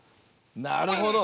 なるほど。